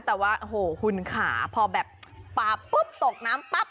แต่ว่าหุ่นขาพอแบบปลาปุ๊บตกน้ำปั๊บ